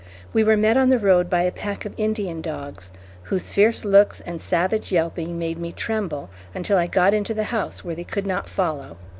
We were met on the road by a pack of Indian dogs, whose fierce looks and savage yelping made me tremble, until I got into the house where they could not follow.